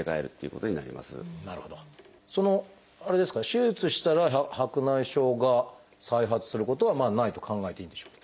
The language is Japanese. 手術したら白内障が再発することはないと考えていいんでしょうか？